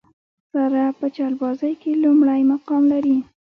ساره په چلبازۍ کې لومړی مقام لري.